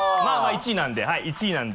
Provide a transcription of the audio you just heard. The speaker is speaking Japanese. １位なんではい。